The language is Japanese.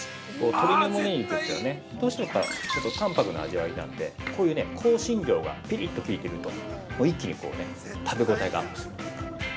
鶏むね肉というのはねどうしてもやっぱりちょっと淡泊な味わいなんでこういう香辛料がピリッと効いていると一気に食べ応えがアップする。